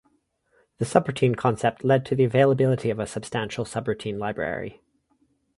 The subroutine concept led to the availability of a substantial subroutine library.